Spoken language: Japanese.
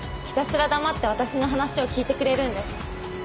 ひたすら黙って私の話を聞いてくれるんです。